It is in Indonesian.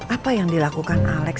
apa yang dilakukan alex